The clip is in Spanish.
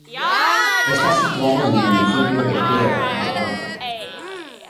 Está situado en el municipio de Priego de Córdoba.